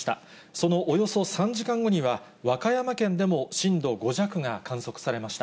そのおよそ３時間後には、和歌山県でも震度５弱が観測されました。